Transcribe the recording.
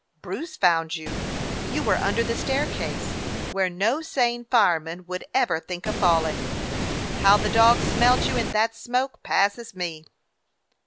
"Bruce found you. You were under the staircase, where no sane fireman would ever think of falling. How the dog smelled you in that smoke passes me."